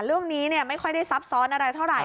เรื่องนี้ไม่ค่อยได้ซับซ้อนอะไรเท่าไหร่